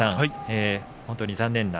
本当に残念な。